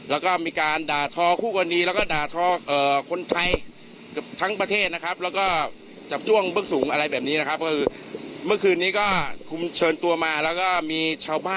แล้วก็มีการด่าทอคู่กรณีแล้วก็ด่าทอคนไทยเกือบทั้งประเทศนะครับ